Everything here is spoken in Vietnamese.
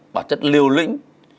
bản chất liều lĩnh